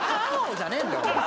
じゃねえんだよお前。